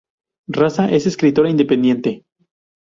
Raza es escritora independiente.